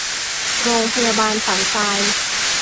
โรงพยาบาลสันทราย